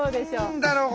何だろう？